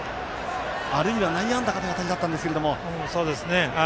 あるいは内野安打かという当たりだったんですけれども。